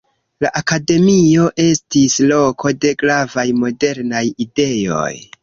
La akademio estis loko de gravaj modernaj ideoj.